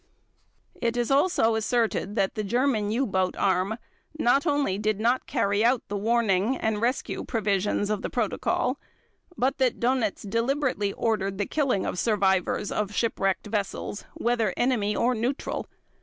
It is also asserted that the German U boat arm not only did not carry out the warning and rescue provisions of the Protocol but that Dönitz deliberately ordered the killing of survivors of shipwrecked vessels, whether enemy or neutral.